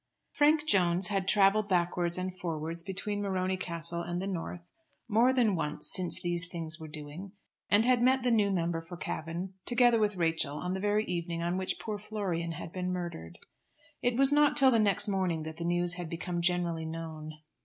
Frank Jones had travelled backwards and forwards between Morony Castle and the North more than once since these things were doing, and had met the new member for Cavan together with Rachel on the very evening on which poor Florian had been murdered. It was not till the next morning that the news had become generally known.